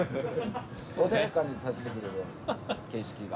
穏やかにさせてくれる景色が。